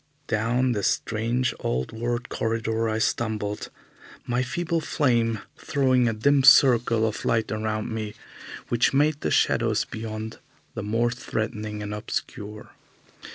Down this strange, old world corridor I stumbled, my feeble flame throwing a dim circle of light around me, which made the shadows beyond the more threatening and obscure.